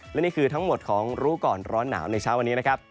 และนี่คือทั้งหมดของรู้ก่อนร้อนหนาวในเช้าวันนี้นะครับ